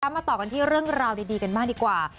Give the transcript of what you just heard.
มาต่อกันที่เรื่องราวดีกันบ้างดีกว่า